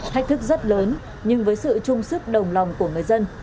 thách thức rất lớn nhưng với sự trung sức đồng lòng của người dân